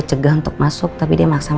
aja gue liat kenapa baik menang